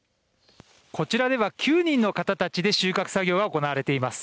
こちらでは９人の方たちで収穫作業が行われています。